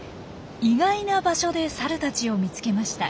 意外な場所でサルたちを見つけました。